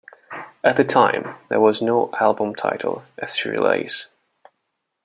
At that time, there was no album title, as she relays.